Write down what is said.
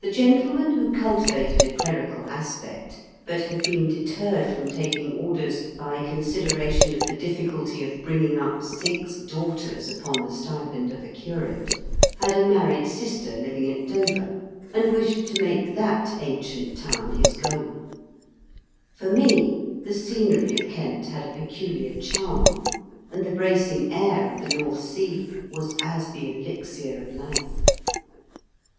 The gentleman who cultivated a clerical aspect, but had been deterred from taking orders by consideration of the difficulty of bringing up six daughters upon the stipend of a curate, had a married sister living at Dover, and wished to make that ancient town his goal For me the scenery of Kent had a peculiar charm, and the bracing air of the North Sea was as the TEJE AUTHOB'8 IDEA OF A HOLIDAY. 3 elixir of life.